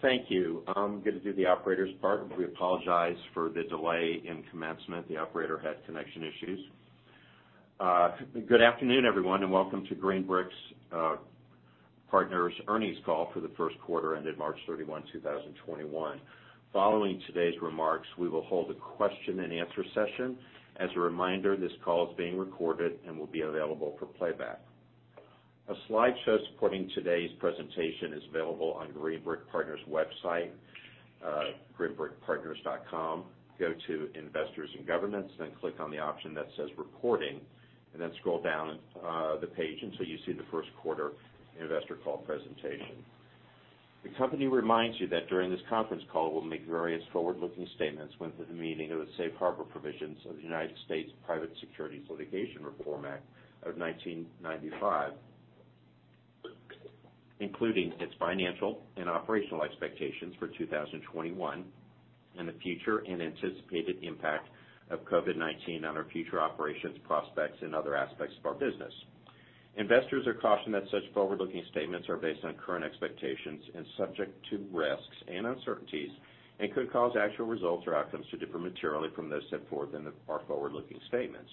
Thank you. I'm going to do the operator's part. We apologize for the delay in commencement. The operator had connection issues. Good afternoon, everyone, and welcome to Green Brick Partners' earnings call for the first quarter ended March 31, 2021. Following today's remarks, we will hold a question-and-answer session. As a reminder, this call is being recorded and will be available for playback. A slideshow supporting today's presentation is available on Green Brick Partners' website, greenbrickpartners.com. Go to Investors and Governance, then click on the option that says Reporting, and then scroll down the page until you see the first quarter investor call presentation. The company reminds you that during this conference call, we'll make various forward-looking statements within the meaning of the safe harbor provisions of the U.S. Private Securities Litigation Reform Act of 1995, including its financial and operational expectations for 2021 and the future and anticipated impact of COVID-19 on our future operations, prospects, and other aspects of our business. Investors are cautioned that such forward-looking statements are based on current expectations and subject to risks and uncertainties and could cause actual results or outcomes to differ materially from those set forth in our forward-looking statements.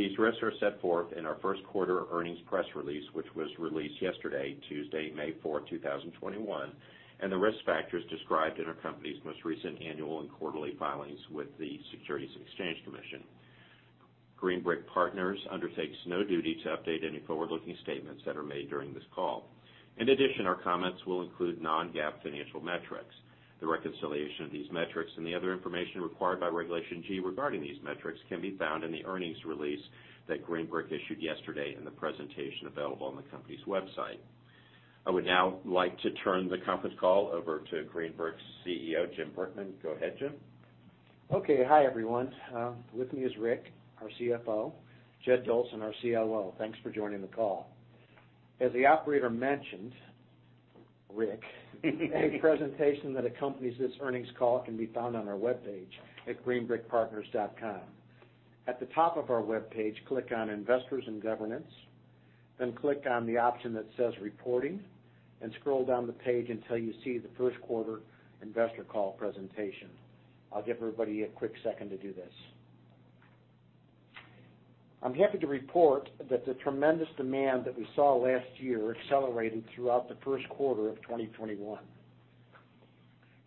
These risks are set forth in our first quarter earnings press release, which was released yesterday, Tuesday, May 4, 2021, and the risk factors described in our company's most recent annual and quarterly filings with the Securities and Exchange Commission. Green Brick Partners undertakes no duty to update any forward-looking statements that are made during this call. In addition, our comments will include non-GAAP financial metrics. The reconciliation of these metrics and the other information required by Regulation G regarding these metrics can be found in the earnings release that Green Brick issued yesterday and the presentation available on the company's website. I would now like to turn the conference call over to Green Brick's CEO, Jim Brickman. Go ahead, Jim. Okay. Hi, everyone. With me is Rick, our CFO, Jed Dolson, our COO. Thanks for joining the call. As the operator mentioned, Rick, a presentation that accompanies this earnings call can be found on our web page at greenbrickpartners.com. At the top of our web page, click on Investors and Governance, then click on the option that says Reporting, and scroll down the page until you see the first quarter investor call presentation. I'll give everybody a quick second to do this. I'm happy to report that the tremendous demand that we saw last year accelerated throughout the first quarter of 2021.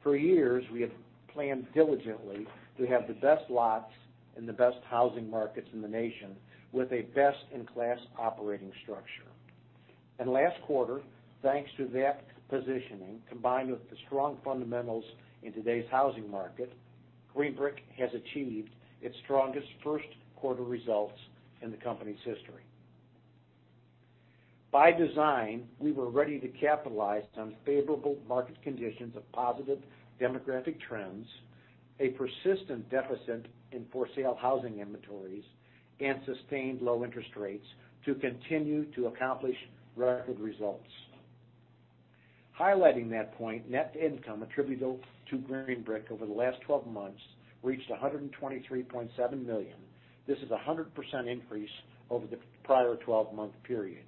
For years, we have planned diligently to have the best lots in the best housing markets in the nation with a best-in-class operating structure. Last quarter, thanks to that positioning combined with the strong fundamentals in today's housing market, Green Brick Partners has achieved its strongest first quarter results in the company's history. By design, we were ready to capitalize on favorable market conditions of positive demographic trends, a persistent deficit in for-sale housing inventories, and sustained low interest rates to continue to accomplish record results. Highlighting that point, net income attributable to Green Brick Partners over the last 12 months reached $123.7 million. This is a 100% increase over the prior 12-month period.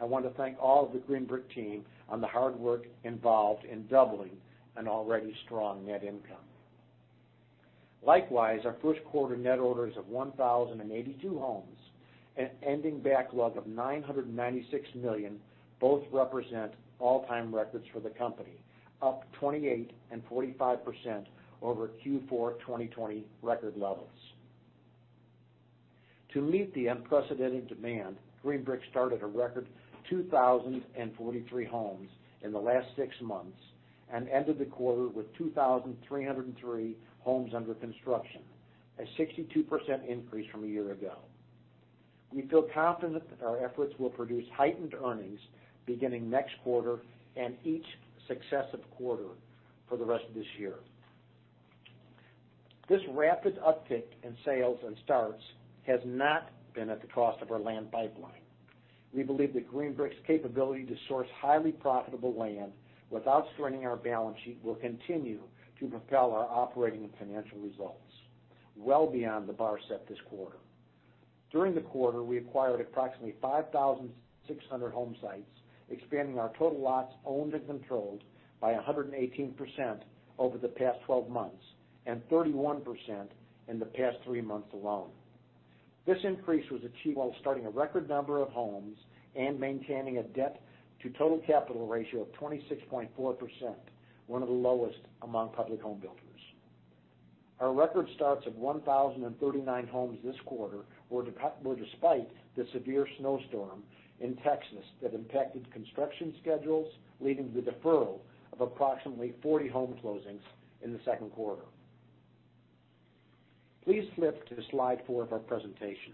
I want to thank all of the Green Brick Partners team on the hard work involved in doubling an already strong net income. Likewise, our first quarter net orders of 1,082 homes and ending backlog of $996 million both represent all-time records for the company, up 28% and 45% over Q4 2020 record levels. To meet the unprecedented demand, Green Brick started a record 2,043 homes in the last six months and ended the quarter with 2,303 homes under construction, a 62% increase from a year ago. We feel confident that our efforts will produce heightened earnings beginning next quarter and each successive quarter for the rest of this year. This rapid uptick in sales and starts has not been at the cost of our land pipeline. We believe that Green Brick's capability to source highly profitable land without straining our balance sheet will continue to propel our operating and financial results well beyond the bar set this quarter. During the quarter, we acquired approximately 5,600 home sites, expanding our total lots owned and controlled by 118% over the past 12 months and 31% in the past three months alone. This increase was achieved while starting a record number of homes and maintaining a debt-to-total capital ratio of 26.4%, one of the lowest among public home builders. Our record starts of 1,039 homes this quarter were despite the severe snowstorm in Texas that impacted construction schedules, leading to the deferral of approximately 40 home closings in the second quarter. Please flip to slide four of our presentation.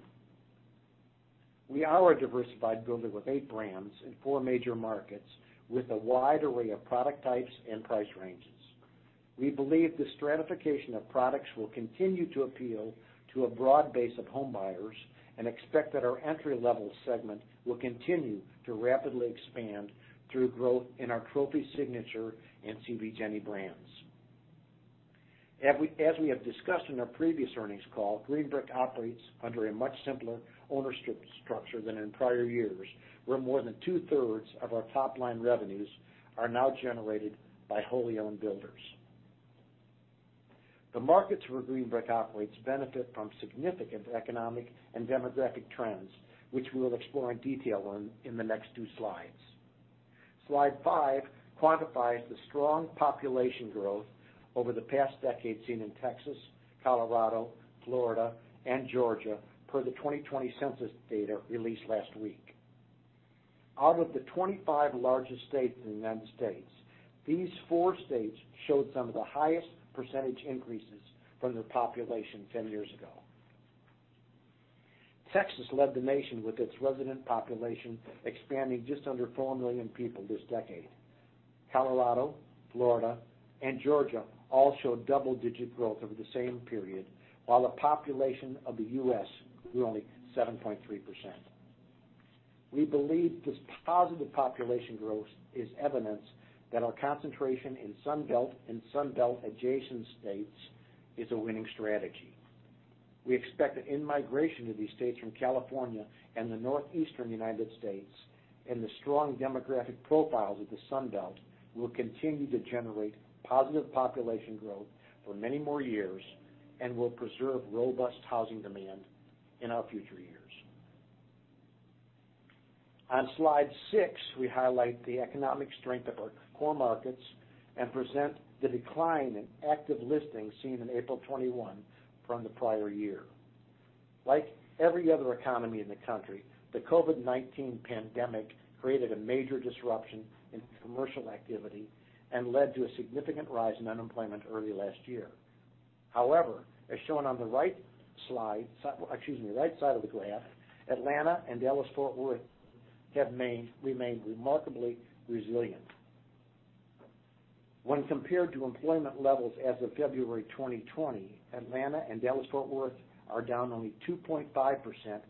We are a diversified builder with eight brands in four major markets with a wide array of product types and price ranges. We believe the stratification of products will continue to appeal to a broad base of homebuyers and expect that our entry-level segment will continue to rapidly expand through growth in our Trophy Signature and CB JENI brands. As we have discussed in our previous earnings call, Green Brick operates under a much simpler owner structure than in prior years, where more than two-thirds of our top-line revenues are now generated by wholly-owned builders. The markets where Green Brick operates benefit from significant economic and demographic trends, which we will explore in detail in the next two slides. Slide five quantifies the strong population growth over the past decade seen in Texas, Colorado, Florida, and Georgia per the 2020 census data released last week. Out of the 25 largest states in the U.S., these four states showed some of the highest percentage increases from their population 10 years ago. Texas led the nation with its resident population expanding just under 4 million people this decade. Colorado, Florida, and Georgia all showed double-digit growth over the same period, while the population of the U.S. grew only 7.3%. We believe this positive population growth is evidence that our concentration in Sunbelt and Sunbelt-adjacent states is a winning strategy. We expect that in-migration to these states from California and the northeastern United States and the strong demographic profiles of the Sunbelt will continue to generate positive population growth for many more years and will preserve robust housing demand in our future years. On slide six, we highlight the economic strength of our core markets and present the decline in active listings seen in April 2021 from the prior year. Like every other economy in the country, the COVID-19 pandemic created a major disruption in commercial activity and led to a significant rise in unemployment early last year. However, as shown on the right side of the graph, Atlanta and Dallas-Fort Worth have remained remarkably resilient. When compared to employment levels as of February 2020, Atlanta and Dallas-Fort Worth are down only 2.5%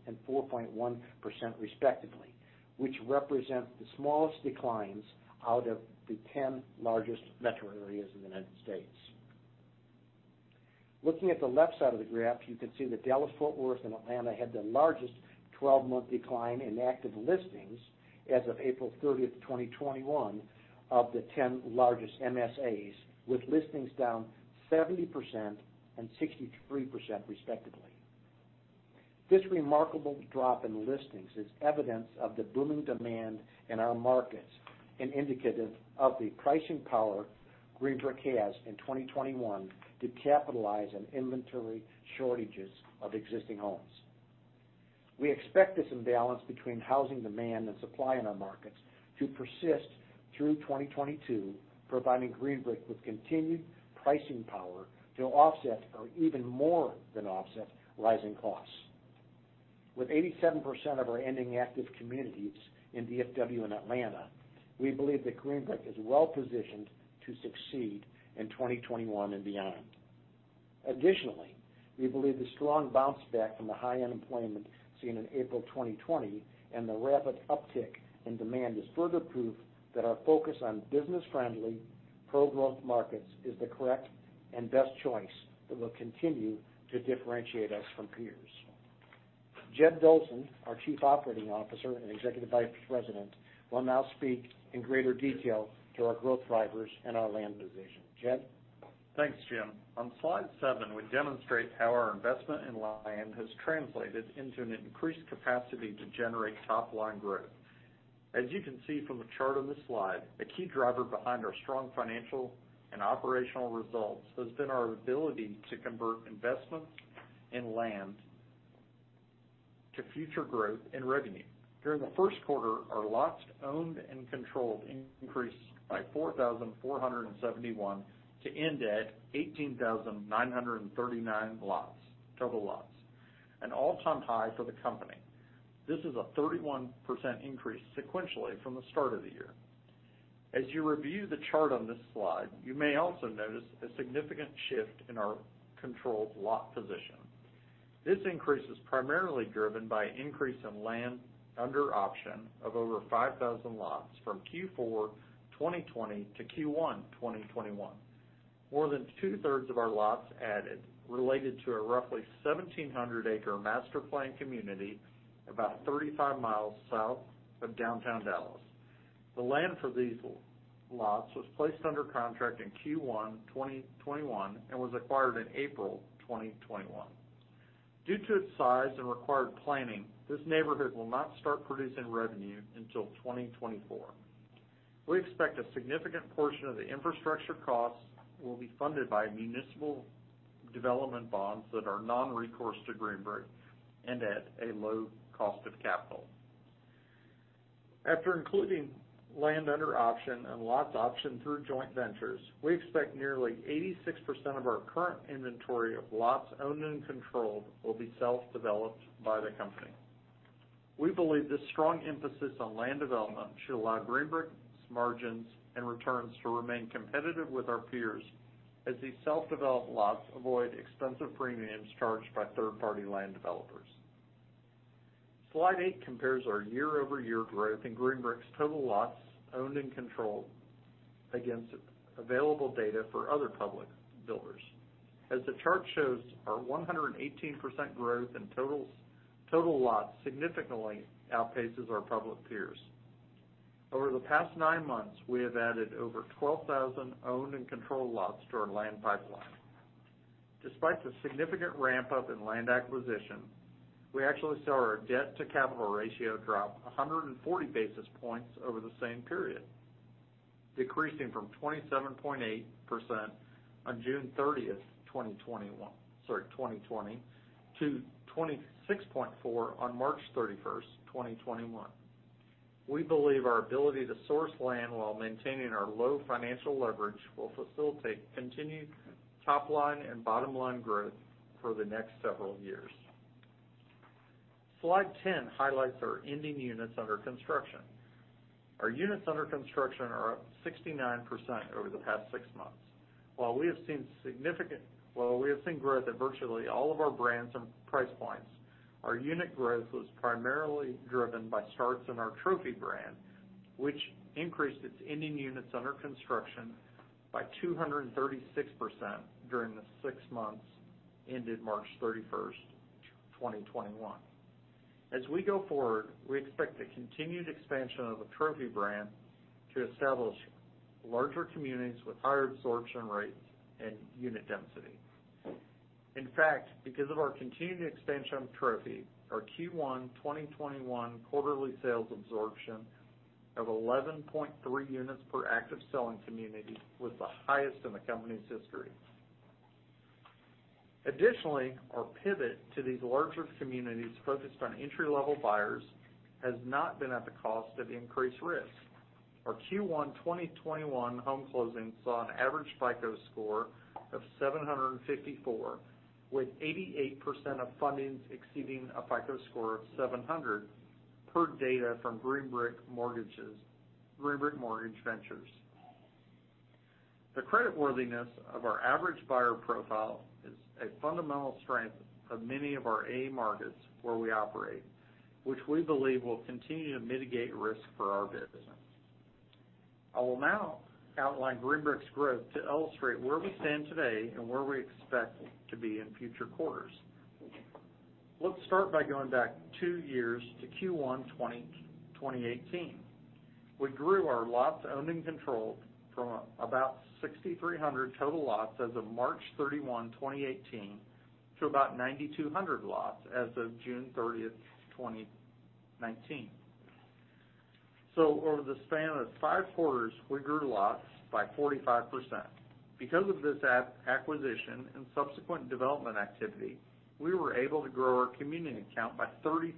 and 4.1% respectively, which represent the smallest declines out of the 10 largest metro areas in the United States. Looking at the left side of the graph, you can see that Dallas-Fort Worth and Atlanta had the largest 12-month decline in active listings as of April 30, 2021, of the 10 largest MSAs, with listings down 70% and 63% respectively. This remarkable drop in listings is evidence of the booming demand in our markets and indicative of the pricing power Green Brick has in 2021 to capitalize on inventory shortages of existing homes. We expect this imbalance between housing demand and supply in our markets to persist through 2022, providing Green Brick with continued pricing power to offset or even more than offset rising costs. With 87% of our ending active communities in DFW and Atlanta, we believe that Green Brick is well-positioned to succeed in 2021 and beyond. Additionally, we believe the strong bounce back from the high unemployment seen in April 2020 and the rapid uptick in demand is further proof that our focus on business-friendly, pro-growth markets is the correct and best choice that will continue to differentiate us from peers. Jed Dolson, our Chief Operating Officer and Executive Vice President, will now speak in greater detail to our growth drivers and our land position. Jed? Thanks, Jim. On slide seven, we demonstrate how our investment in land has translated into an increased capacity to generate top-line growth. As you can see from the chart on this slide, a key driver behind our strong financial and operational results has been our ability to convert investments in land to future growth and revenue. During the first quarter, our lots owned and controlled increased by 4,471 to indeed 18,939 lots, total lots, an all-time high for the company. This is a 31% increase sequentially from the start of the year. As you review the chart on this slide, you may also notice a significant shift in our controlled lot position. This increase is primarily driven by an increase in land under option of over 5,000 lots from Q4 2020-Q1 2021. More than two-thirds of our lots added related to a roughly 1,700-acre master plan community about 35 mi south of downtown Dallas. The land for these lots was placed under contract in Q1 2021 and was acquired in April 2021. Due to its size and required planning, this neighborhood will not start producing revenue until 2024. We expect a significant portion of the infrastructure costs will be funded by municipal development bonds that are non-recourse to Green Brick and at a low cost of capital. After including land under option and lots optioned through joint ventures, we expect nearly 86% of our current inventory of lots owned and controlled will be self-developed by the company. We believe this strong emphasis on land development should allow Green Brick's margins and returns to remain competitive with our peers as these self-developed lots avoid expensive premiums charged by third-party land developers. Slide eight compares our year-over-year growth in Green Brick's total lots owned and controlled against available data for other public builders. As the chart shows, our 118% growth in total lots significantly outpaces our public peers. Over the past nine months, we have added over 12,000 owned and controlled lots to our land pipeline. Despite the significant ramp-up in land acquisition, we actually saw our debt-to-capital ratio drop 140 basis points over the same period, decreasing from 27.8% on June 30, 2020, to 26.4% on March 31, 2021. We believe our ability to source land while maintaining our low financial leverage will facilitate continued top-line and bottom-line growth for the next several years. Slide 10 highlights our ending units under construction. Our units under construction are up 69% over the past six months. While we have seen significant growth at virtually all of our brands and price points, our unit growth was primarily driven by starts in our Trophy brand, which increased its ending units under construction by 236% during the six months ended March 31, 2021. As we go forward, we expect the continued expansion of the Trophy brand to establish larger communities with higher absorption rates and unit density. In fact, because of our continued expansion of Trophy, our Q1 2021 quarterly sales absorption of 11.3 units per active selling community was the highest in the company's history. Additionally, our pivot to these larger communities focused on entry-level buyers has not been at the cost of increased risk. Our Q1 2021 home closings saw an average FICO score of 754, with 88% of fundings exceeding a FICO score of 700 per data from Green Brick Mortgage Ventures. The creditworthiness of our average buyer profile is a fundamental strength of many of our A markets where we operate, which we believe will continue to mitigate risk for our business. I will now outline Green Brick's growth to illustrate where we stand today and where we expect to be in future quarters. Let's start by going back two years to Q1 2018. We grew our lots owned and controlled from about 6,300 total lots as of March 31, 2018, to about 9,200 lots as of June 30, 2019. Over the span of five quarters, we grew lots by 45%. Because of this acquisition and subsequent development activity, we were able to grow our community count by 33%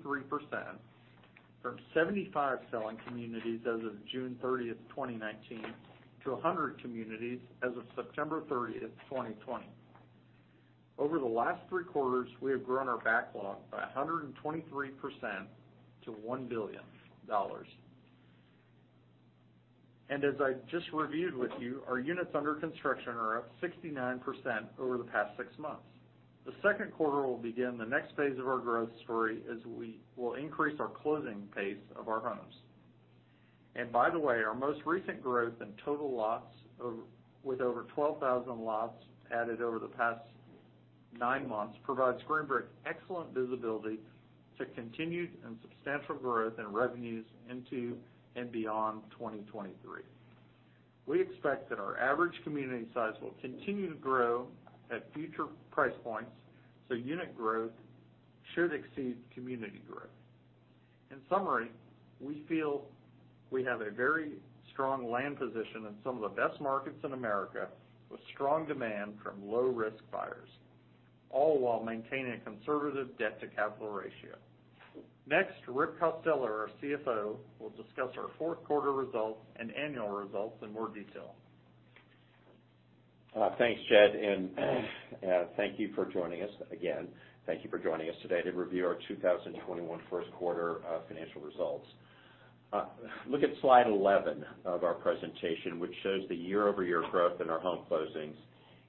from 75 selling communities as of June 30, 2019, to 100 communities as of September 30, 2020. Over the last three quarters, we have grown our backlog by 123% to $1 billion. As I just reviewed with you, our units under construction are up 69% over the past six months. The second quarter will begin the next phase of our growth story as we will increase our closing pace of our homes. By the way, our most recent growth in total lots with over 12,000 lots added over the past nine months provides Green Brick excellent visibility to continued and substantial growth in revenues into and beyond 2023. We expect that our average community size will continue to grow at future price points, so unit growth should exceed community growth. In summary, we feel we have a very strong land position in some of the best markets in America with strong demand from low-risk buyers, all while maintaining a conservative debt-to-capital ratio. Next, Rick Costello, our CFO, will discuss our fourth quarter results and annual results in more detail. Thanks, Jed. Thank you for joining us again. Thank you for joining us today to review our 2021 first quarter financial results. Look at slide 11 of our presentation, which shows the year-over-year growth in our home closings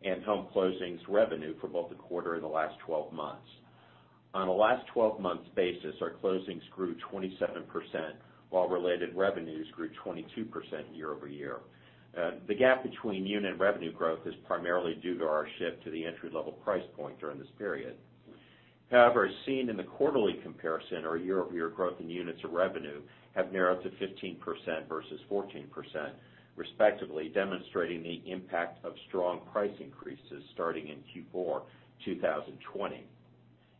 and home closings revenue for both the quarter and the last 12 months. On a last 12-month basis, our closings grew 27%, while related revenues grew 22% year-over-year. The gap between unit and revenue growth is primarily due to our shift to the entry-level price point during this period. However, as seen in the quarterly comparison, our year-over-year growth in units of revenue has narrowed to 15% versus 14%, respectively, demonstrating the impact of strong price increases starting in Q4 2020.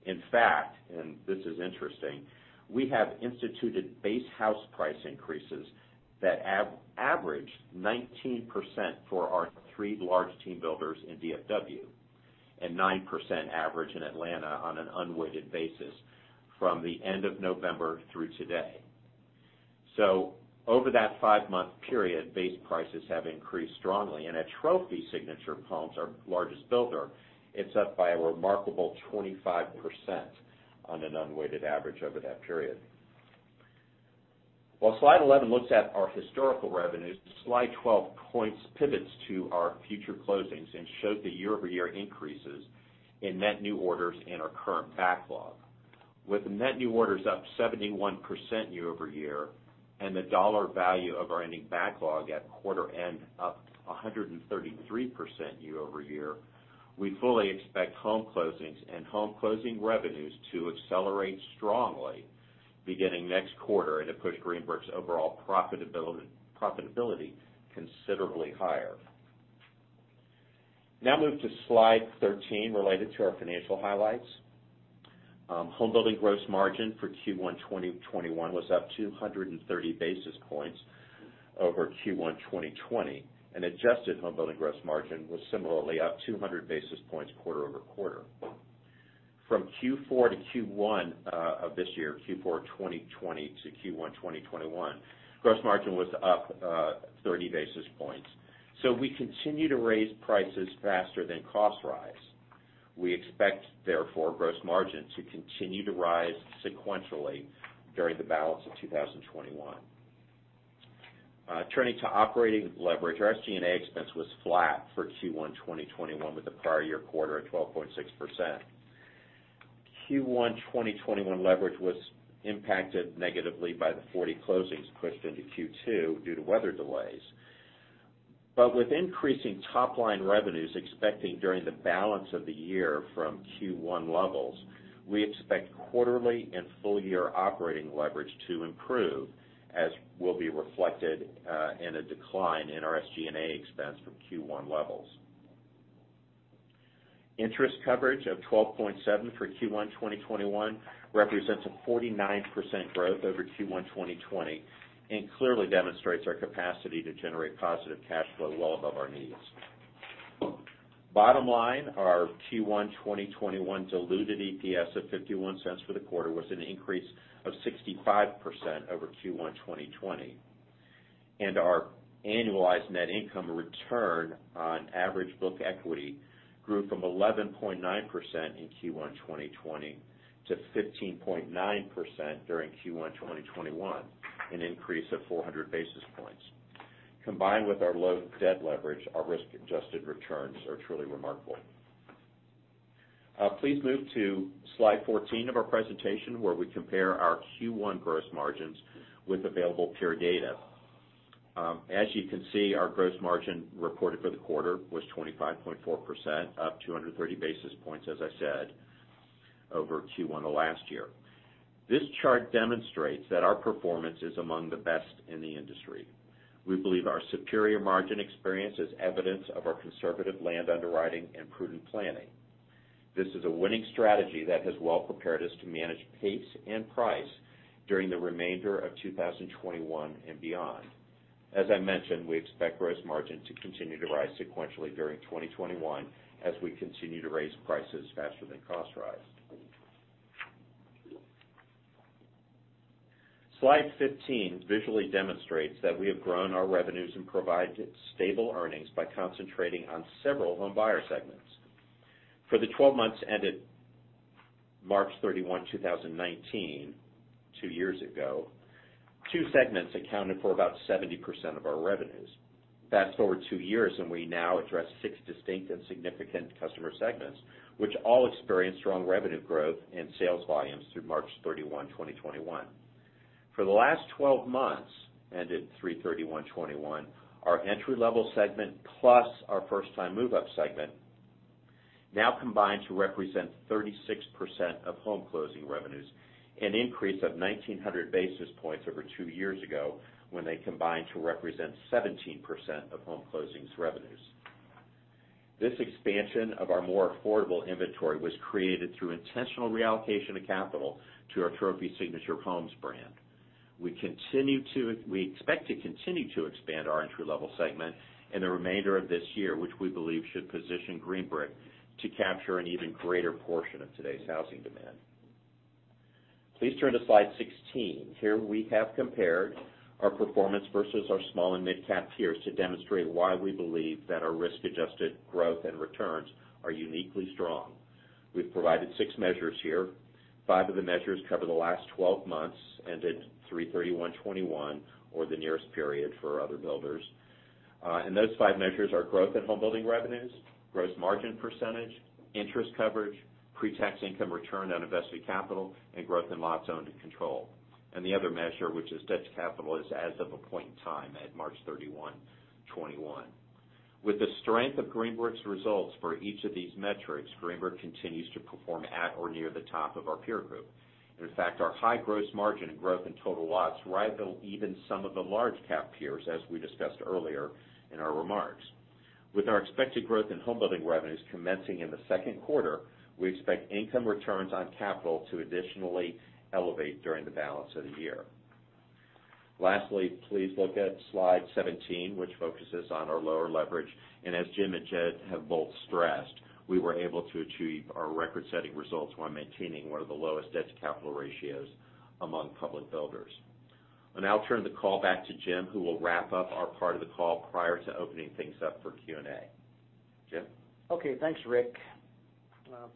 In fact, and this is interesting, we have instituted base house price increases that averaged 19% for our three large team builders in DFW and 9% average in Atlanta on an unweighted basis from the end of November through today. Over that five-month period, base prices have increased strongly. At Trophy Signature Homes, our largest builder, it is up by a remarkable 25% on an unweighted average over that period. While slide 11 looks at our historical revenues, slide 12 pivots to our future closings and shows the year-over-year increases in net new orders and our current backlog. With net new orders up 71% year-over-year and the dollar value of our ending backlog at quarter-end up 133% year-over-year, we fully expect home closings and home closing revenues to accelerate strongly beginning next quarter and to push Green Brick's overall profitability considerably higher. Now, move to slide 13 related to our financial highlights. Home building gross margin for Q1 2021 was up 230 basis points over Q1 2020. An adjusted home building gross margin was similarly up 200 basis points quarter over quarter. From Q4-Q1 of this year, Q4 2020-Q1 2021, gross margin was up 30 basis points. We continue to raise prices faster than costs rise. We expect, therefore, gross margin to continue to rise sequentially during the balance of 2021. Turning to operating leverage, our SG&A expense was flat for Q1 2021 with the prior year quarter at 12.6%. Q1 2021 leverage was impacted negatively by the 40 closings pushed into Q2 due to weather delays. With increasing top-line revenues expected during the balance of the year from Q1 levels, we expect quarterly and full-year operating leverage to improve, as will be reflected in a decline in our SG&A expense from Q1 levels. Interest coverage of 12.7% for Q1 2021 represents a 49% growth over Q1 2020 and clearly demonstrates our capacity to generate positive cash flow well above our needs. Bottom line, our Q1 2021 diluted EPS of $0.51 for the quarter was an increase of 65% over Q1 2020. Our annualized net income return on average book equity grew from 11.9% in Q1 2020 to 15.9% during Q1 2021, an increase of 400 basis points. Combined with our low debt leverage, our risk-adjusted returns are truly remarkable. Please move to slide 14 of our presentation where we compare our Q1 gross margins with available peer data. As you can see, our gross margin reported for the quarter was 25.4%, up 230 basis points, as I said, over Q1 of last year. This chart demonstrates that our performance is among the best in the industry. We believe our superior margin experience is evidence of our conservative land underwriting and prudent planning. This is a winning strategy that has well prepared us to manage pace and price during the remainder of 2021 and beyond. As I mentioned, we expect gross margin to continue to rise sequentially during 2021 as we continue to raise prices faster than costs rise. Slide 15 visually demonstrates that we have grown our revenues and provided stable earnings by concentrating on several home buyer segments. For the 12 months ended March 31, 2019, two years ago, two segments accounted for about 70% of our revenues. Fast forward two years, and we now address six distinct and significant customer segments, which all experienced strong revenue growth and sales volumes through March 31, 2021. For the last 12 months ended March 31, 2021, our entry-level segment plus our first-time move-up segment now combine to represent 36% of home closing revenues, an increase of 1,900 basis points over two years ago when they combined to represent 17% of home closing revenues. This expansion of our more affordable inventory was created through intentional reallocation of capital to our Trophy Signature Homes brand. We expect to continue to expand our entry-level segment in the remainder of this year, which we believe should position Green Brick to capture an even greater portion of today's housing demand. Please turn to slide 16. Here we have compared our performance versus our small and mid-cap peers to demonstrate why we believe that our risk-adjusted growth and returns are uniquely strong. We've provided six measures here. Five of the measures cover the last 12 months ended March 31, 2021, or the nearest period for other builders. Those five measures are growth in home building revenues, gross margin %, interest coverage, pre-tax income returned on invested capital, and growth in lots owned and controlled. The other measure, which is debt to capital, is as of a point in time at March 31, 2021. With the strength of Green Brick's results for each of these metrics, Green Brick continues to perform at or near the top of our peer group. In fact, our high gross margin and growth in total lots rival even some of the large cap peers, as we discussed earlier in our remarks. With our expected growth in home building revenues commencing in the second quarter, we expect income returns on capital to additionally elevate during the balance of the year. Lastly, please look at slide 17, which focuses on our lower leverage. As Jim and Jed have both stressed, we were able to achieve our record-setting results while maintaining one of the lowest debt-to-capital ratios among public builders. I'll turn the call back to Jim, who will wrap up our part of the call prior to opening things up for Q&A. Jim? Okay. Thanks, Rick.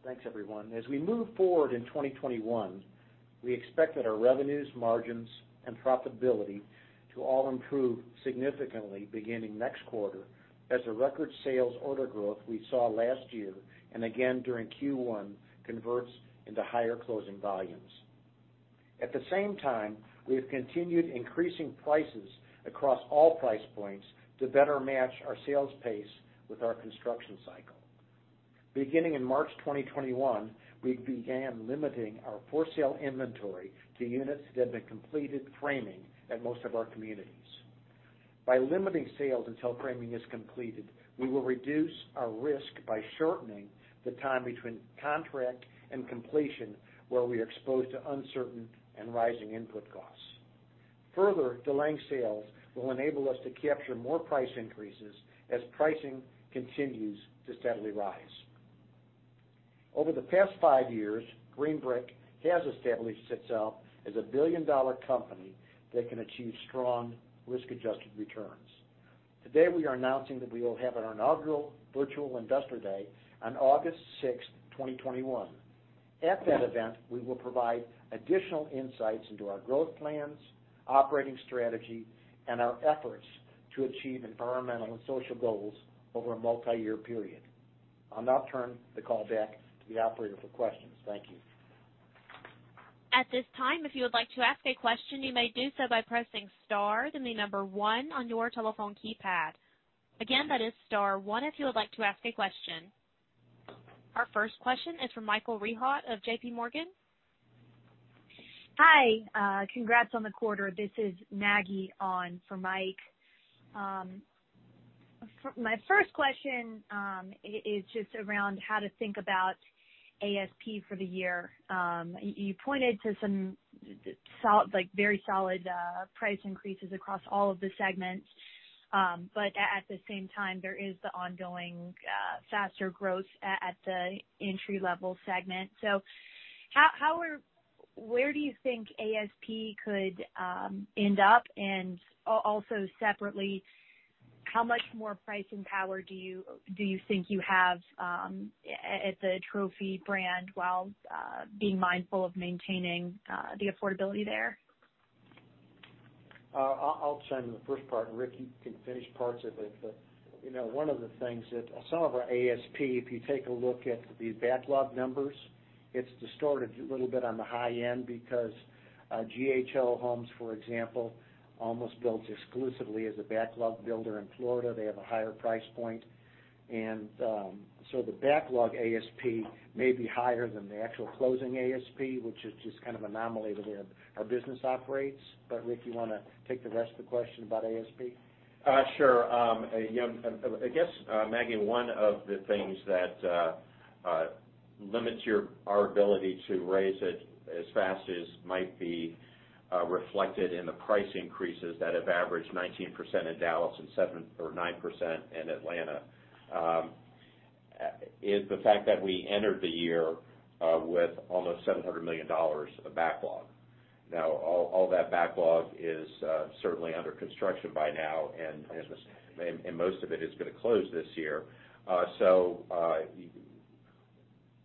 Thanks, everyone. As we move forward in 2021, we expect that our revenues, margins, and profitability to all improve significantly beginning next quarter as the record sales order growth we saw last year and again during Q1 converts into higher closing volumes. At the same time, we have continued increasing prices across all price points to better match our sales pace with our construction cycle. Beginning in March 2021, we began limiting our for-sale inventory to units that have been completed framing at most of our communities. By limiting sales until framing is completed, we will reduce our risk by shortening the time between contract and completion, where we are exposed to uncertain and rising input costs. Further, delaying sales will enable us to capture more price increases as pricing continues to steadily rise. Over the past five years, Green Brick has established itself as a billion-dollar company that can achieve strong risk-adjusted returns. Today, we are announcing that we will have our inaugural virtual investor day on August 6, 2021. At that event, we will provide additional insights into our growth plans, operating strategy, and our efforts to achieve environmental and social goals over a multi-year period. I'll now turn the call back to the operator for questions. Thank you. At this time, if you would like to ask a question, you may do so by pressing star then the number one on your telephone keypad. Again, that is star one if you would like to ask a question. Our first question is from Michael Rehart of J.P. Morgan. Hi. Congrats on the quarter. This is Maggie on for Mike. My first question is just around how to think about ASP for the year. You pointed to some very solid price increases across all of the segments. At the same time, there is the ongoing faster growth at the entry-level segment. Where do you think ASP could end up? Also, separately, how much more pricing power do you think you have at the Trophy brand while being mindful of maintaining the affordability there? I'll chime in the first part. Rick, you can finish parts of it. One of the things that some of our ASP, if you take a look at the backlog numbers, it's distorted a little bit on the high end because GHO Homes, for example, almost builds exclusively as a backlog builder in Florida. They have a higher price point. The backlog ASP may be higher than the actual closing ASP, which is just kind of anomaly the way our business operates. Rick, you want to take the rest of the question about ASP? Sure. I guess, Maggie, one of the things that limits our ability to raise it as fast as might be reflected in the price increases that have averaged 19% in Dallas and 7% or 9% in Atlanta is the fact that we entered the year with almost $700 million of backlog. Now, all that backlog is certainly under construction by now, and most of it is going to close this year.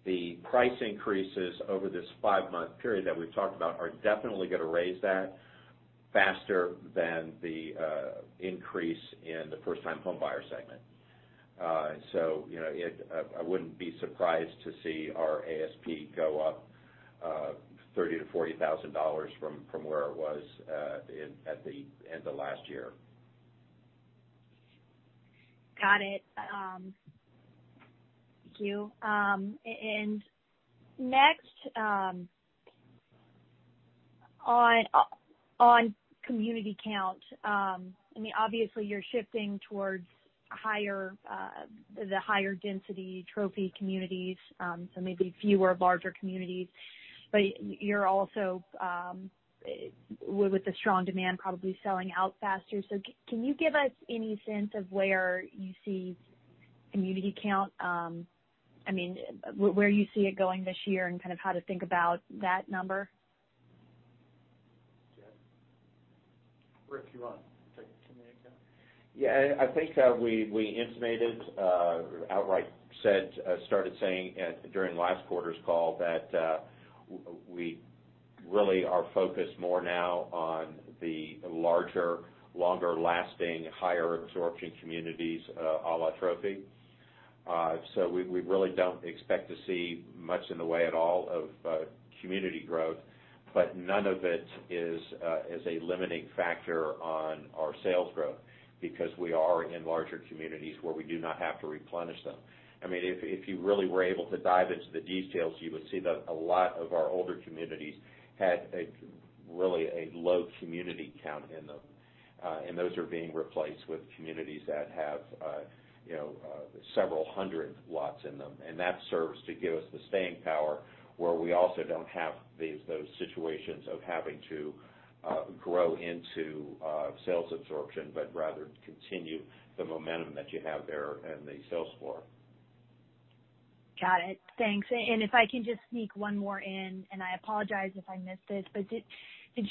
The price increases over this five-month period that we've talked about are definitely going to raise that faster than the increase in the first-time home buyer segment. I wouldn't be surprised to see our ASP go up $30,000-$40,000 from where it was at the end of last year. Got it. Thank you. Next, on community count, I mean, obviously, you're shifting towards the higher density Trophy communities, so maybe fewer larger communities. You're also, with the strong demand, probably selling out faster. Can you give us any sense of where you see community count, I mean, where you see it going this year and kind of how to think about that number? Rick, you want to take the community count. Yeah. I think we intimated, outright said, started saying during last quarter's call that we really are focused more now on the larger, longer-lasting, higher-absorption communities a la Trophy. We really do not expect to see much in the way at all of community growth. None of it is a limiting factor on our sales growth because we are in larger communities where we do not have to replenish them. I mean, if you really were able to dive into the details, you would see that a lot of our older communities had really a low community count in them. Those are being replaced with communities that have several hundred lots in them. That serves to give us the staying power where we also don't have those situations of having to grow into sales absorption, but rather continue the momentum that you have there and the sales floor. Got it. Thanks. If I can just sneak one more in, I apologize if I missed this, but did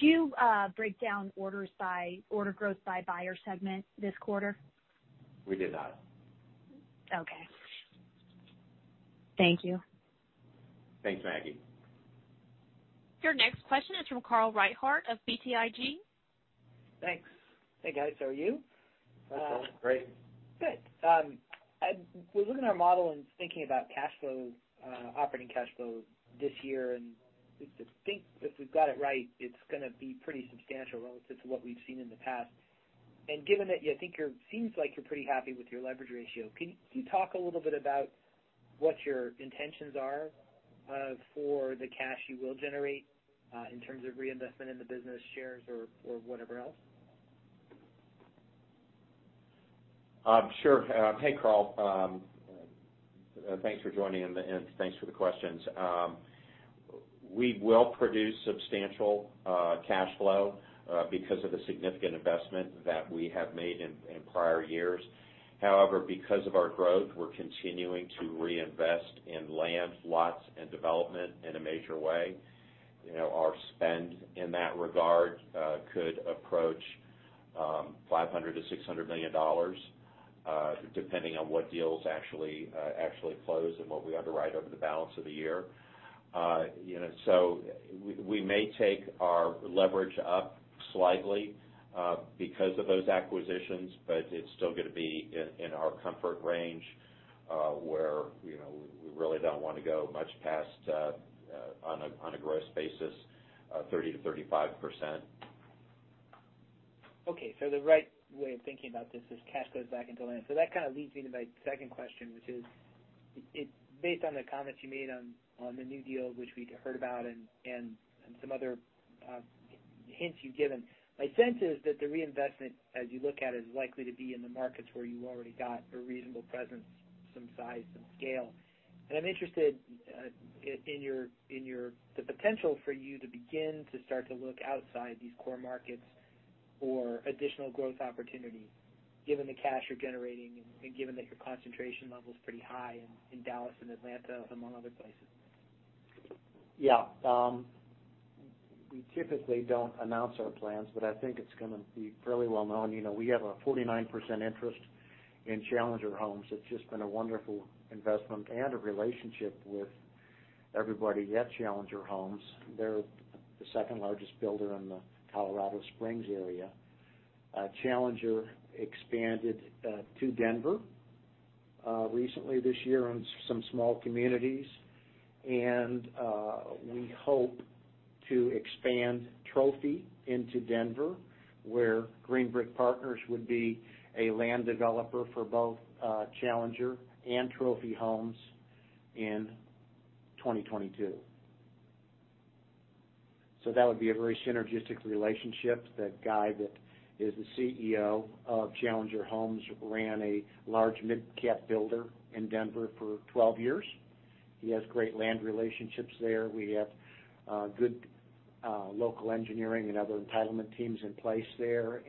you break down orders by order growth by buyer segment this quarter? We did not. Okay. Thank you. Thanks, Maggie. Your next question is from Carl Rehart of BTIG. Thanks. Hey, guys. How are you? Great. Good. We're looking at our model and thinking about operating cash flow this year. I think if we've got it right, it's going to be pretty substantial relative to what we've seen in the past. Given that I think it seems like you're pretty happy with your leverage ratio, can you talk a little bit about what your intentions are for the cash you will generate in terms of reinvestment in the business, shares, or whatever else? Sure. Hey, Carl. Thanks for joining, and thanks for the questions. We will produce substantial cash flow because of the significant investment that we have made in prior years. However, because of our growth, we're continuing to reinvest in land, lots, and development in a major way. Our spend in that regard could approach $500 million-$600 million, depending on what deals actually close and what we underwrite over the balance of the year. We may take our leverage up slightly because of those acquisitions, but it's still going to be in our comfort range where we really don't want to go much past, on a gross basis, 30%-35%. Okay. The right way of thinking about this is cash goes back into land. That kind of leads me to my second question, which is based on the comments you made on the new deal, which we heard about, and some other hints you've given, my sense is that the reinvestment, as you look at it, is likely to be in the markets where you already got a reasonable presence, some size, some scale. I'm interested in the potential for you to begin to start to look outside these core markets for additional growth opportunity, given the cash you're generating and given that your concentration level is pretty high in Dallas and Atlanta, among other places. Yeah. We typically don't announce our plans, but I think it's going to be fairly well known. We have a 49% interest in Challenger Homes. It's just been a wonderful investment and a relationship with everybody at Challenger Homes. They're the second largest builder in the Colorado Springs area. Challenger expanded to Denver recently this year in some small communities. We hope to expand Trophy into Denver, where Green Brick Partners would be a land developer for both Challenger and Trophy Homes in 2022. That would be a very synergistic relationship. That guy that is the CEO of Challenger Homes ran a large mid-cap builder in Denver for 12 years. He has great land relationships there. We have good local engineering and other entitlement teams in place there.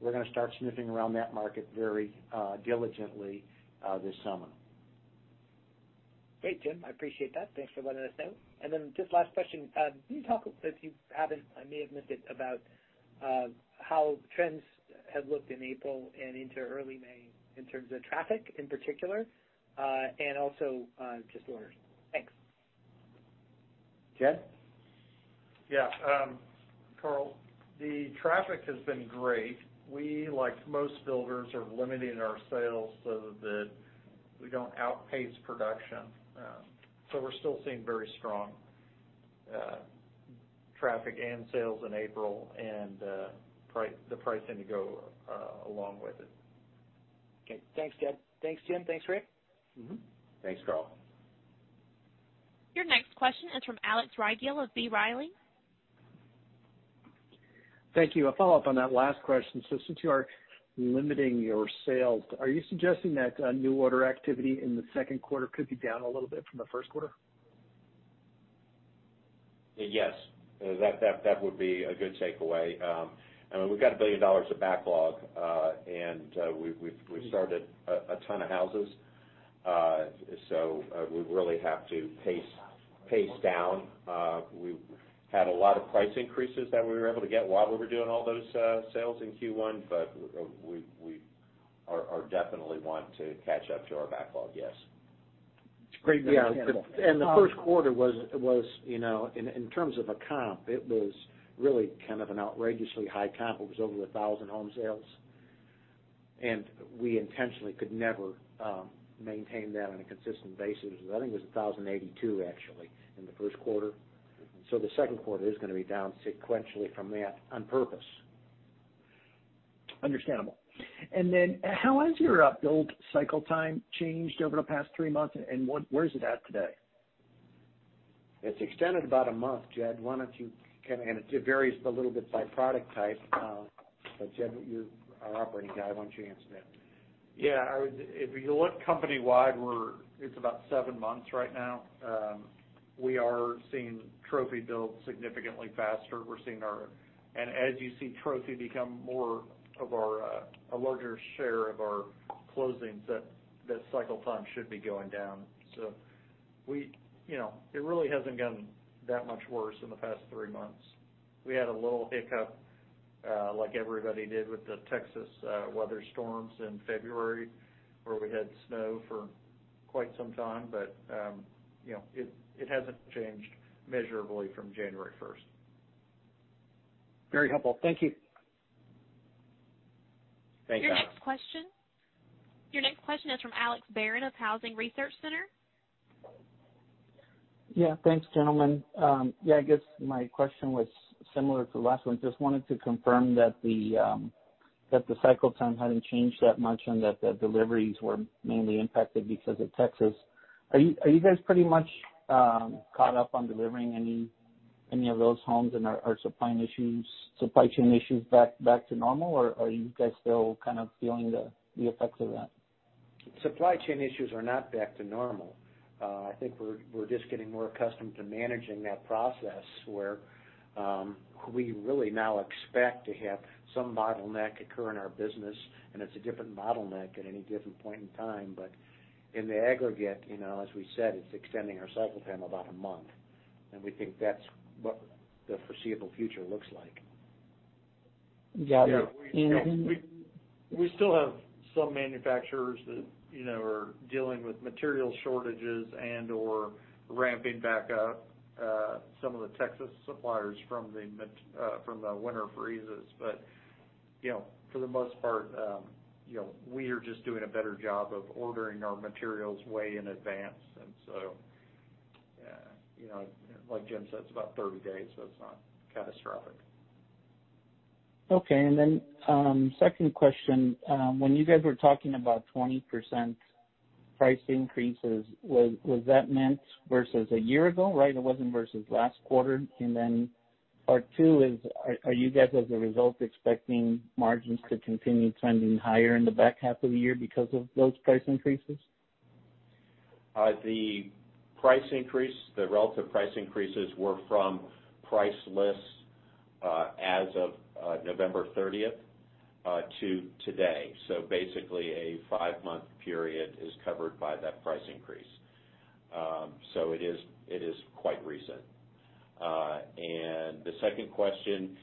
We're going to start sniffing around that market very diligently this summer. Great, Jim. I appreciate that. Thanks for letting us know. Just last question. Can you talk, if you haven't, I may have missed it, about how trends have looked in April and into early May in terms of traffic in particular, and also just orders? Thanks. Jed? Yeah. Carl, the traffic has been great. We, like most builders, are limiting our sales so that we do not outpace production. We are still seeing very strong traffic and sales in April, and the pricing to go along with it. Okay. Thanks, Jed. Thanks, Jim. Thanks, Rick. Thanks, Carl. Your next question is from Alex Rydale of B. Riley. Thank you. A follow-up on that last question. Since you are limiting your sales, are you suggesting that new order activity in the second quarter could be down a little bit from the first quarter? Yes. That would be a good takeaway. I mean, we've got $1 billion of backlog, and we've started a ton of houses. We really have to pace down. We had a lot of price increases that we were able to get while we were doing all those sales in Q1, but we definitely want to catch up to our backlog, yes. It's great to hear. The first quarter was, in terms of a comp, really kind of an outrageously high comp. It was over 1,000 home sales. We intentionally could never maintain that on a consistent basis. I think it was 1,082, actually, in the first quarter. The second quarter is going to be down sequentially from that on purpose. Understandable. How has your build cycle time changed over the past three months, and where is it at today? It's extended about a month, Jed. Why don't you kind of—and it varies a little bit by product type. But Jed, you're our operating guy. Why don't you answer that? Yeah. If you look company-wide, it's about seven months right now. We are seeing Trophy build significantly faster. As you see Trophy become more of a larger share of our closings, that cycle time should be going down. It really hasn't gotten that much worse in the past three months. We had a little hiccup, like everybody did with the Texas weather storms in February, where we had snow for quite some time. It hasn't changed measurably from January 1. Very helpful. Thank you. Thanks, Alex. Your next question is from Alex Barron of Housing Research Center. Yeah. Thanks, gentlemen. Yeah, I guess my question was similar to the last one. Just wanted to confirm that the cycle time hadn't changed that much and that the deliveries were mainly impacted because of Texas. Are you guys pretty much caught up on delivering any of those homes and are supply chain issues back to normal, or are you guys still kind of feeling the effects of that? Supply chain issues are not back to normal. I think we're just getting more accustomed to managing that process, where we really now expect to have some bottleneck occur in our business. It is a different bottleneck at any given point in time. In the aggregate, as we said, it's extending our cycle time about a month. We think that's what the foreseeable future looks like. Yeah. We still have some manufacturers that are dealing with material shortages and/or ramping back up some of the Texas suppliers from the winter freezes. For the most part, we are just doing a better job of ordering our materials way in advance. Like Jim said, it's about 30 days, so it's not catastrophic. Okay. And then second question. When you guys were talking about 20% price increases, was that meant versus a year ago, right? It was not versus last quarter. Part two is, are you guys, as a result, expecting margins to continue trending higher in the back half of the year because of those price increases? The price increase, the relative price increases, were from price lists as of November 30th to today. Basically, a five-month period is covered by that price increase. It is quite recent. The second question,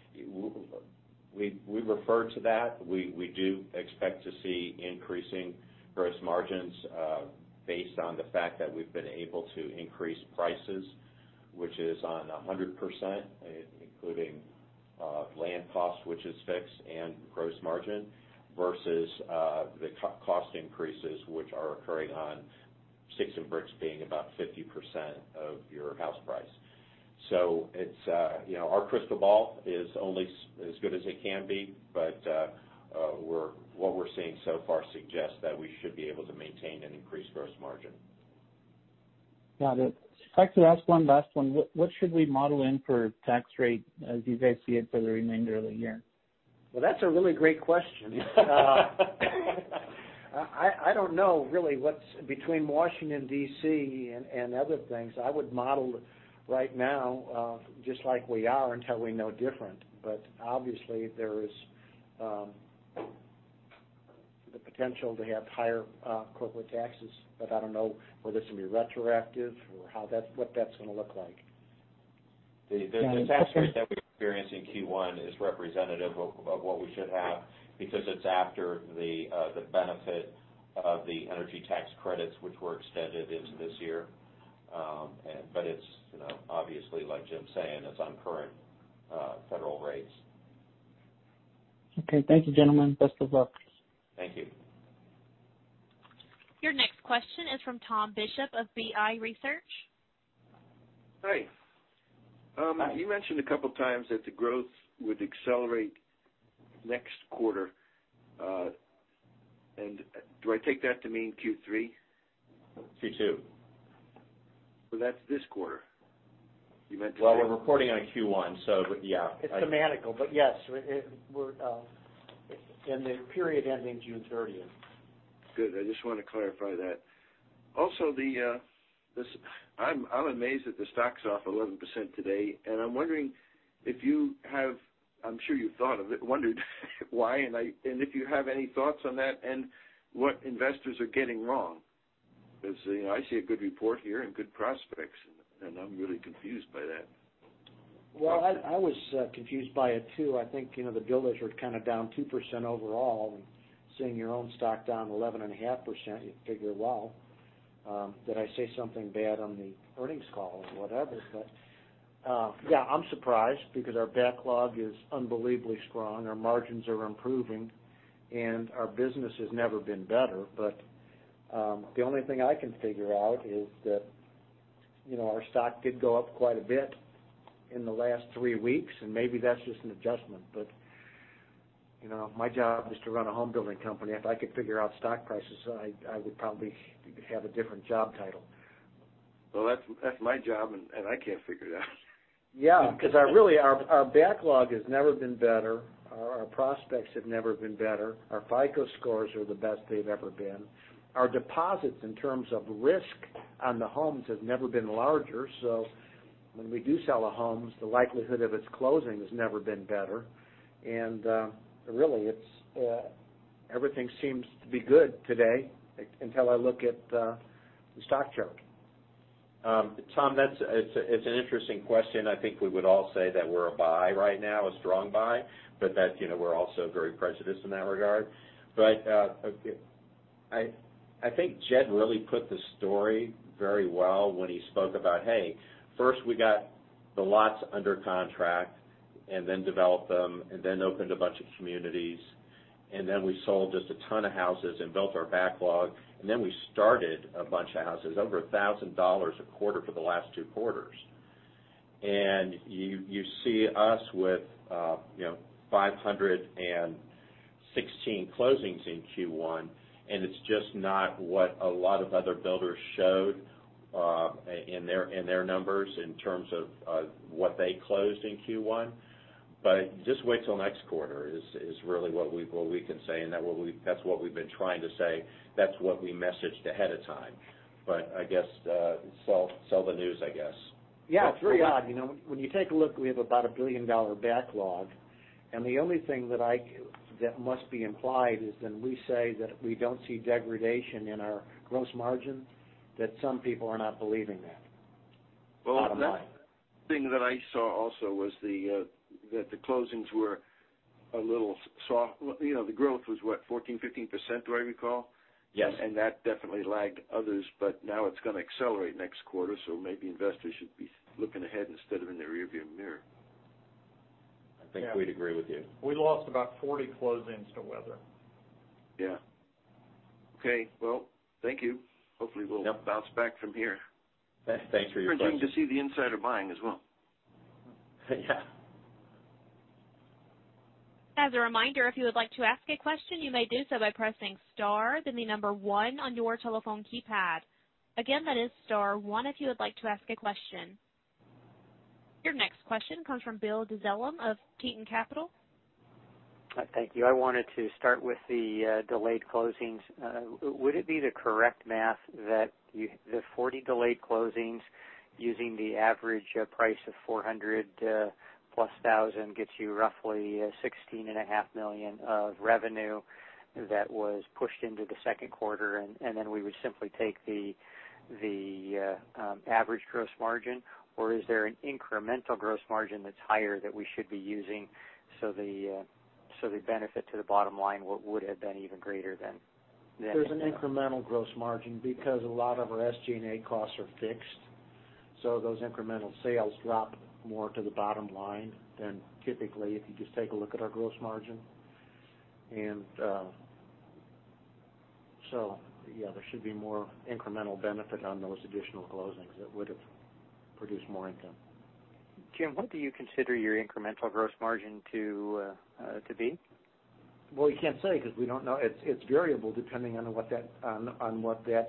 we refer to that. We do expect to see increasing gross margins based on the fact that we've been able to increase prices, which is on 100%, including land cost, which is fixed, and gross margin, versus the cost increases, which are occurring on sticks and bricks being about 50% of your house price. Our crystal ball is only as good as it can be, but what we're seeing so far suggests that we should be able to maintain an increased gross margin. Got it. Actually, last one, last one. What should we model in for tax rate as you guys see it for the remainder of the year? That's a really great question. I don't know, really, between Washington, DC, and other things. I would model right now, just like we are, until we know different. Obviously, there is the potential to have higher corporate taxes. I don't know whether it's going to be retroactive or what that's going to look like. The tax rate that we're experiencing Q1 is representative of what we should have because it's after the benefit of the energy tax credits, which were extended into this year. It is obviously, like Jim's saying, on current federal rates. Okay. Thank you, gentlemen. Best of luck. Thank you. Your next question is from Tom Bishop of BI Research. Hi. You mentioned a couple of times that the growth would accelerate next quarter. Do I take that to mean Q3? Q2. That's this quarter. You meant Q4? We're reporting on Q1, so yeah. It's a manacle, but yes. The period ending June 30th. Good. I just want to clarify that. Also, I'm amazed that the stock's off 11% today. I'm wondering if you have—I'm sure you've thought of it, wondered why, and if you have any thoughts on that and what investors are getting wrong. I see a good report here and good prospects, and I'm really confused by that. I was confused by it too. I think the builders were kind of down 2% overall. Seeing your own stock down 11.5%, you figure, did I say something bad on the earnings call or whatever? Yeah, I'm surprised because our backlog is unbelievably strong. Our margins are improving, and our business has never been better. The only thing I can figure out is that our stock did go up quite a bit in the last three weeks, and maybe that's just an adjustment. My job is to run a home building company. If I could figure out stock prices, I would probably have a different job title. That's my job, and I can't figure it out. Yeah. Because really, our backlog has never been better. Our prospects have never been better. Our FICO scores are the best they've ever been. Our deposits, in terms of risk on the homes, have never been larger. When we do sell the homes, the likelihood of its closing has never been better. Really, everything seems to be good today until I look at the stock chart. Tom, it's an interesting question. I think we would all say that we're a buy right now, a strong buy, but that we're also very prejudiced in that regard. I think Jed really put the story very well when he spoke about, "Hey, first we got the lots under contract, and then developed them, and then opened a bunch of communities, and then we sold just a ton of houses and built our backlog, and then we started a bunch of houses, over $1,000 a quarter for the last two quarters." You see us with 516 closings in Q1, and it's just not what a lot of other builders showed in their numbers in terms of what they closed in Q1. Just wait till next quarter is really what we can say. That's what we've been trying to say. That's what we messaged ahead of time. I guess sell the news, I guess. Yeah. Three odd. When you take a look, we have about a $1 billion backlog. The only thing that must be implied is when we say that we don't see degradation in our gross margin, that some people are not believing that. The last thing that I saw also was that the closings were a little soft. The growth was, what, 14-15%, do I recall? Yes. That definitely lagged others. Now it's going to accelerate next quarter, so maybe investors should be looking ahead instead of in their rearview mirror. I think we'd agree with you. We lost about 40 closings to weather. Yeah. Okay. Thank you. Hopefully, we'll bounce back from here. Thanks for your question. It's encouraging to see the insider buying as well. Yeah. As a reminder, if you would like to ask a question, you may do so by pressing star, then the number one on your telephone keypad. Again, that is star one if you would like to ask a question. Your next question comes from Bill Dzelum of Teton Capital. Thank you. I wanted to start with the delayed closings. Would it be the correct math that the 40 delayed closings using the average price of $400,000 plus $1,000 gets you roughly $16.5 million of revenue that was pushed into the second quarter, and then we would simply take the average gross margin, or is there an incremental gross margin that's higher that we should be using so the benefit to the bottom line would have been even greater than? There's an incremental gross margin because a lot of our SG&A costs are fixed. Those incremental sales drop more to the bottom line than typically if you just take a look at our gross margin. Yeah, there should be more incremental benefit on those additional closings that would have produced more income. Jim, what do you consider your incremental gross margin to be? We can't say because we don't know. It's variable depending on what that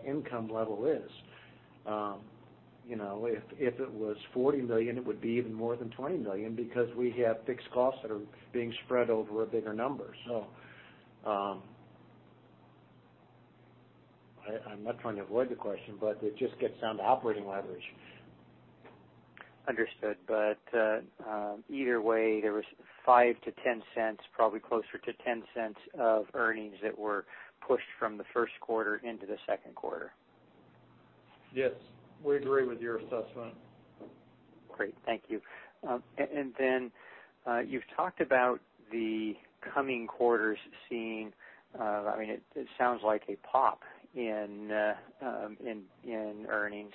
income level is. If it was $40 million, it would be even more than $20 million because we have fixed costs that are being spread over a bigger number. I'm not trying to avoid the question, but it just gets down to operating leverage. Understood. Either way, there was $0.05-$0.10, probably closer to $0.10 of earnings that were pushed from the first quarter into the second quarter. Yes. We agree with your assessment. Great. Thank you. You have talked about the coming quarters seeing—I mean, it sounds like a pop in earnings.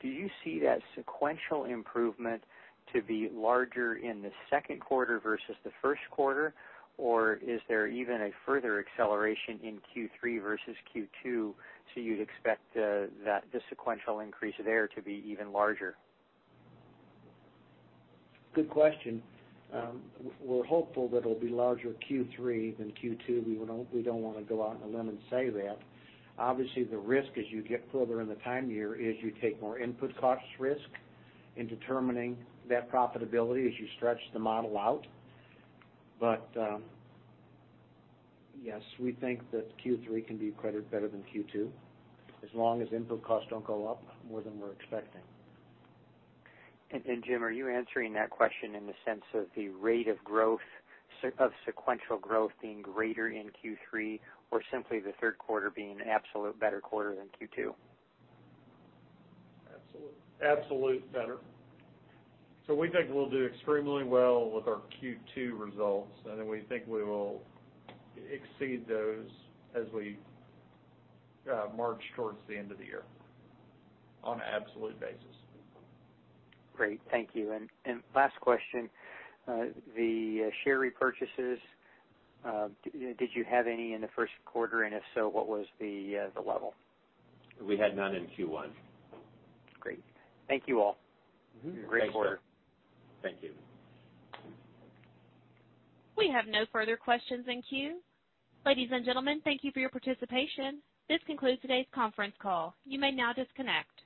Do you see that sequential improvement to be larger in the second quarter versus the first quarter, or is there even a further acceleration in Q3 versus Q2, so you would expect that the sequential increase there to be even larger? Good question. We're hopeful that it'll be larger Q3 than Q2. We don't want to go out on a limb and say that. Obviously, the risk as you get further in the time year is you take more input cost risk in determining that profitability as you stretch the model out. Yes, we think that Q3 can be credited better than Q2 as long as input costs don't go up more than we're expecting. Jim, are you answering that question in the sense of the rate of sequential growth being greater in Q3 or simply the third quarter being an absolute better quarter than Q2? Absolutely better. We think we'll do extremely well with our Q2 results, and then we think we will exceed those as we march towards the end of the year on an absolute basis. Great. Thank you. Last question. The share repurchases, did you have any in the first quarter, and if so, what was the level? We had none in Q1. Great. Thank you all. Great quarter. Thank you. We have no further questions in queue. Ladies and gentlemen, thank you for your participation. This concludes today's conference call. You may now disconnect.